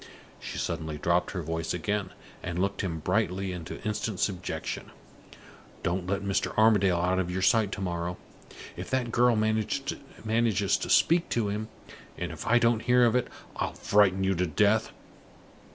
She suddenly dropped her voice again, and looked him brightly into instant subjection. "Don't let Mr. Armadale out of your sight to morrow! If that girl manages to speak to him, and if I don't hear of it, I'll frighten you to death.